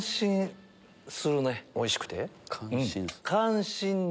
おいしくて？